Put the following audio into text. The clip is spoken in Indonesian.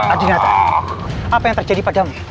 adinata apa yang terjadi padamu